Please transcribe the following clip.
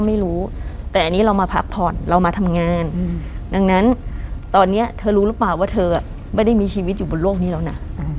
ไม่รู้แต่อันนี้เรามาพักผ่อนเรามาทำงานดังนั้นตอนนี้เธอรู้หรือเปล่าว่าเธอไม่ได้มีชีวิตอยู่บนโลกนี้แล้วนะ